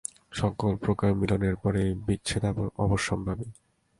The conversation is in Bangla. সকল প্রকার মিলনের পরেই বিচ্ছেদ অবশ্যম্ভাবী।